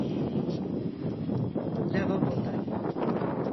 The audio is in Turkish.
Lavaboda…